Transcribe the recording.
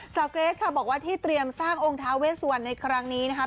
เกรทค่ะบอกว่าที่เตรียมสร้างองค์ท้าเวสวันในครั้งนี้นะคะ